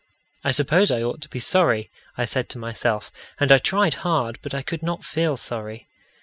"I suppose I ought to be sorry," I said to myself; and I tried hard, but I could not feel sorry.